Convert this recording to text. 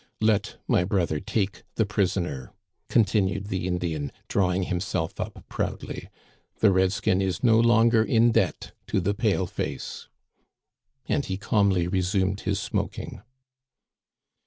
Let my brother take the prisoner," continued the Indian, drawing himself up proudly; " the red skin is no longer in debt to the pale face !" And he calmly resumed his smoking.